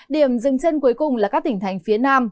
điểm dừng chân cuối cùng là các tỉnh thành phía nam